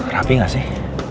rapi gak sih